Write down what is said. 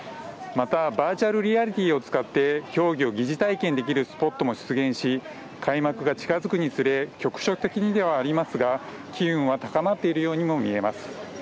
またバーチャルリアリティーを使って競技を疑似体験できるスポットも出現し開幕が近づくにつれ局所的にではありますが機運は高まっているようにも見えます。